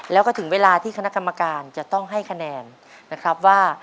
แล้วก็ถึงเวลาที่คณะกรรมการจะต้องให้คะแนนนะครับว่า